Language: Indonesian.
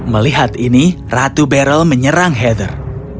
melihat ini ratu beryl menyerang heather